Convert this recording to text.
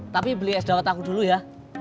tapi beli es daurat aku dulu ya